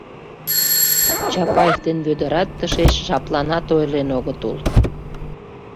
Чапаев ден Вӧдырат тышеч жапланат ойырлен огыт ул.